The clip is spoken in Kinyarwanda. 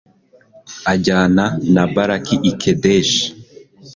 ajyana na baraki i kedeshi